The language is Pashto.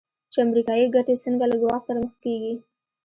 چې امریکایي ګټې څنګه له ګواښ سره مخ کېږي.